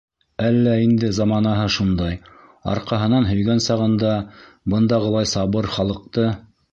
Әллә инде заманаһы шундай: Арҡаһынан һөйгән сағында, Бындағылай сабыр халыҡты.